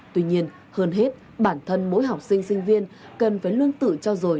tuy nhiên hơn hết bản thân mỗi học sinh sinh viên cần phải lương tự cho dồi